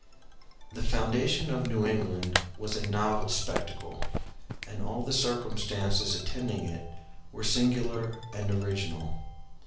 ] The foundation of New England was a novel spectacle, and all the circumstances attending it were singular and original.